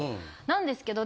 なんですけど。